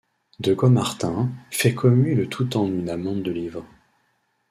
De Caumartin fait commuer le tout en une amende de livres.